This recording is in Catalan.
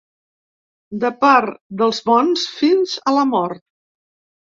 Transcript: De part dels bons fins a la mort.